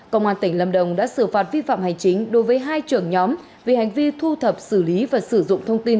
công an tỉnh lâm đồng đã xử phạt vi phạm hành chính đối với hai trưởng nhóm vì hành vi thu thập xử lý và sử dụng thông tin